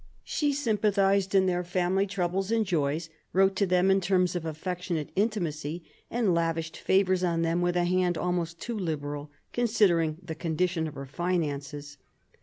She sympathised in their family troubles and joys, wrote to them in terms of affectionate intimacy, and lavished favours on them with a hand almost too liberal, considering the condition of her finances.